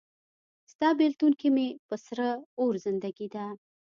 ستا بیلتون کې مې په سره اور زندګي ده